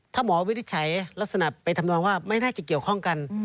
ถ้าหมอวินิจฉัยลักษณะไปทำนองว่าไม่น่าจะเกี่ยวข้องกัน